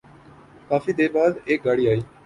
کافی دیر بعد ایک گاڑی آئی ۔